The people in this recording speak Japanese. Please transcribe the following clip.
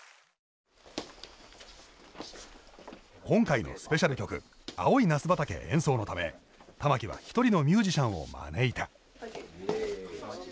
今回のスペシャル曲「青い“なす”畑」演奏のため玉置は一人のミュージシャンを招いた。